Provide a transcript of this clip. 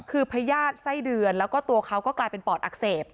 คือพญาติไส้เดือนแล้วก็ตัวเขาก็กลายเป็นปอดอักเสบ